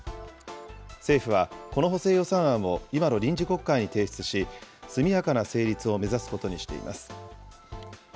政府は、この補正予算案を今の臨時国会に提出し、速やかな成立を目指すことにしています。